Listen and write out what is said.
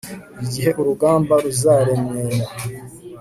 igihe urugamba ruzaremera